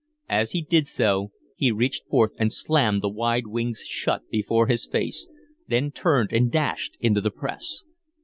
As he did so he reached forth and slammed the wide wings shut before his face, then turned and dashed into the press.